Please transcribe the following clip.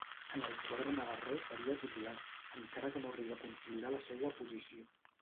En el quadre navarrès seria titular, encara que no arriba a consolidar la seua posició.